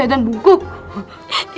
ini adalah buku yang kita dikutuk